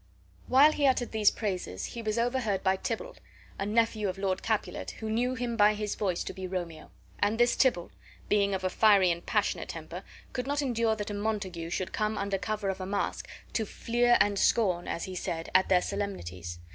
While he uttered these praises he was overheard by Tybalt, a nephew of Lord Capulet, who knew him by his voice to be Romeo. And this Tybalt, being of a fiery and passionate temper, could not endure that a Montague should come under cover of a mask, to fleer and scorn (as he said) at their solemnities.